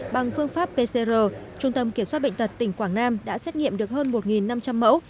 bằng phương pháp pcr trung tâm kiểm soát bệnh tật tỉnh quảng nam đã xét nghiệm được hơn một năm trăm linh mẫu